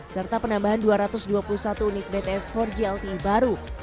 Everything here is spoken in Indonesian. serta penambahan dua ratus dua puluh satu unit bts empat g lte baru